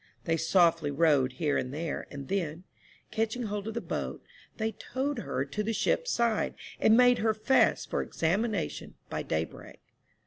They softly rowed here and there, and then, catching hold of the boat, they towed her to the ship's side, and made her fast for examination by daybreak.